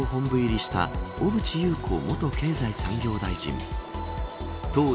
昨日、自民党本部入りした小渕優子元経済産業大臣。